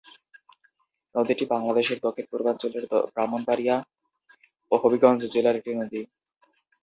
নদীটি বাংলাদেশের দক্ষিণ-পূর্বাঞ্চলের ব্রাহ্মণবাড়িয়া ও হবিগঞ্জ জেলার একটি নদী।